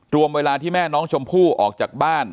เวลาที่แม่น้องชมพู่ออกจากบ้าน